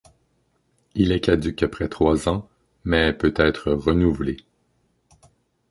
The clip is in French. Il est caduc après trois ans mais peut être renouvelé.